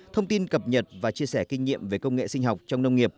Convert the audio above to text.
thông tin cập nhật và chia sẻ kinh nghiệm về công nghệ sinh học trong nông nghiệp